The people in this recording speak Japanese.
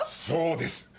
そうです。